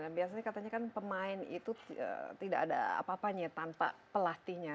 biasanya katanya kan pemain itu tidak ada apa apanya tanpa pelatihnya